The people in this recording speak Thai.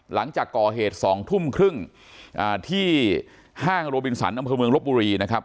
หลังจากก่อเหตุ๒ทุ่มครึ่งที่ห้างโรบินสันอำเภอเมืองลบบุรีนะครับ